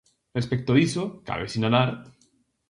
Respecto diso, cabe sinalar: